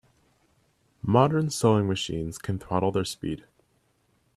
Modern sewing machines can throttle their speed.